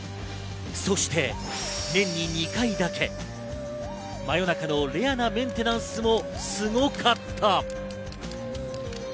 そして年に２回だけ真夜中のレアなメンテナンスもすごかった。